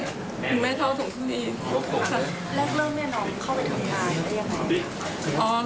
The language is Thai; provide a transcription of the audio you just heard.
เพราะลูกแม่ก็ลูกเนี่ยถึงเป็นซากไงก็ต้องจำได้คือแม่เท่าสมทรีย์